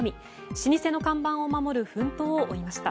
老舗の看板を守る奮闘を追いました。